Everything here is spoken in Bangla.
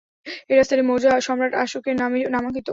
এই রাস্তাটি মৌর্য সম্রাট অশোকের নামে নামাঙ্কিত।